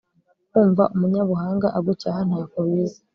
kumva umunyabuhanga agucyaha ntako biza